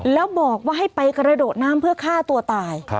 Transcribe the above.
แล้วบอกว่าให้ไปกระโดดน้ำเพื่อฆ่าตัวตาย